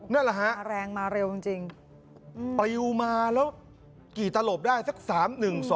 บลิงมาเร็วจริงจริงเปลี่ยวมาแล้วกี่ตลบได้สักสาม